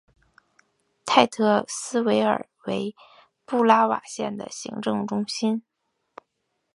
泰特斯维尔为布拉瓦县的行政中心。